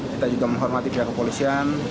kita juga menghormati pihak kepolisian